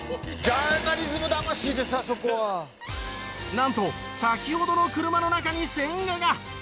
なんと先ほどの車の中に千賀が。